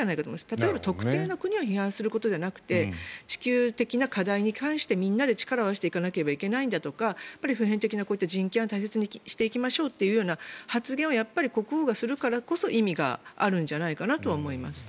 例えば特定の国を批判するのではなくて特定の課題に対してみんなで力を合わせていかなければいけないんだとか普遍的な人権は大切にしていきましょうというような発言を国王がするからこそ意味があるんじゃないかなとは思います。